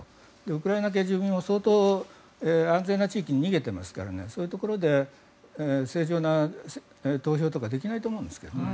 ウクライナ系住民も相当安全な地域に逃げていますからそういうところで正常な投票とかできないと思うんですけどね。